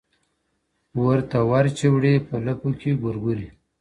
ورته ور چي وړې په لپو کي گورگورې